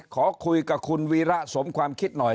ขอคุยกับคุณวีระสมความคิดหน่อย